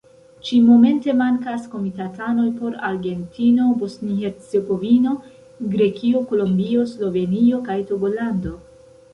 Ĉi-momente mankas komitatanoj por Argentino, Bosnio-Hercegovino, Grekio, Kolombio, Slovenio kaj Togolando.